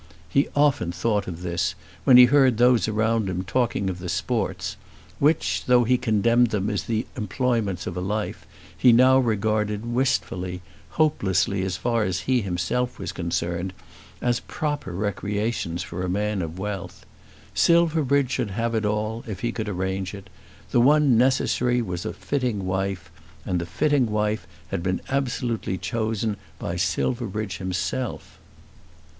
He often thought of this, when he heard those around him talking of the sports, which, though he condemned them as the employments of a life, he now regarded wistfully, hopelessly as far as he himself was concerned, as proper recreations for a man of wealth. Silverbridge should have it all, if he could arrange it. The one thing necessary was a fitting wife; and the fitting wife had been absolutely chosen by Silverbridge himself.